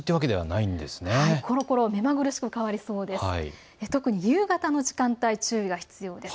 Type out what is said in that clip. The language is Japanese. ころころ目まぐるしく変わりそうです。